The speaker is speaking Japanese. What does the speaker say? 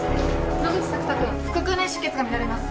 野口朔太君腹腔内出血が見られます。